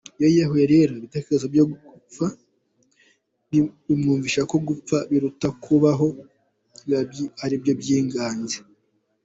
Iyo yiyahuye rero ibitekerezo bimwumvisha ko gupfa biruta kubaho biba ari byo byaganje.